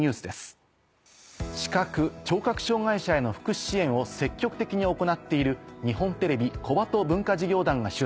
視覚・聴覚障がい者への福祉支援を積極的に行っている。